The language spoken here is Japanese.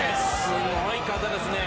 すごい風ですね。